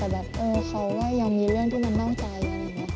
แตะเขายังมีเรื่องที่มันน่างใจอยู่